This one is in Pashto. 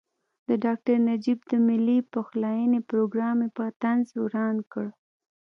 د ډاکټر نجیب د ملي پخلاینې پروګرام یې په طنز وران کړ.